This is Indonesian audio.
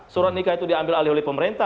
surat nikah itu diambil alih oleh pemerintah